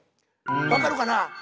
分かるかな？